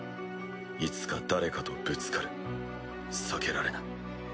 いつか誰かとぶつかる避けられない。